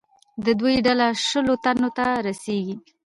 د دوی ډله شلو تنو ته رسېږي.